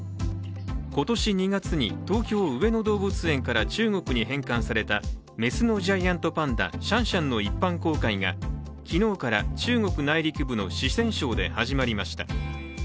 今年２月に東京上野動物園から、中国に返還された雌のジャイアントパンダシャンシャンの一般公開が昨日から中国内陸部の四川省で始まりました。